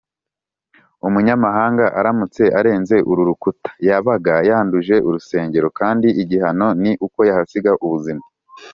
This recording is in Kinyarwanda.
. Umunyamahanga aramutse arenze uru rukuta, yabaga yanduje urusengero, kandi igihano ni uko yahasigaga ubuzima